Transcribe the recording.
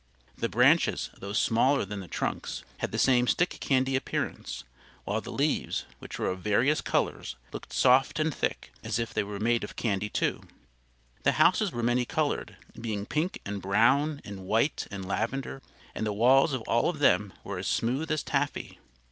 The branches, though smaller than the trunks, had the same stick candy appearance; while the leaves, which were of various colors, looked soft and thick, as if they were made of candy, too. The houses were many colored, being pink and brown and white and lavender, and the walls of all of them were as smooth as taffy.